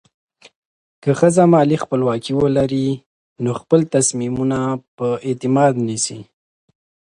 که ښځه مالي خپلواکي ولري، نو خپل تصمیمونه په اعتماد نیسي.